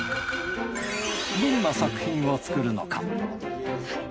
どんな作品を作るのか？